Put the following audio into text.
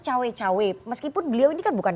cawe cawe meskipun beliau ini kan bukan